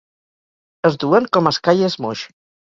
Es duen com es ca i es moix